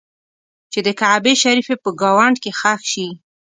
چې د کعبې شریفې په ګاونډ کې ښخ شي.